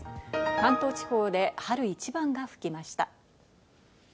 関東地方で春一番が吹きました。